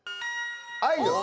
「アイドル」。